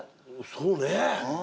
そうね。